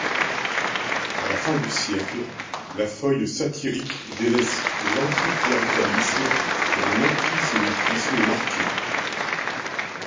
À la fin du siècle, la feuille satirique délaisse l'anticléricalisme pour un antisémitisme marqué.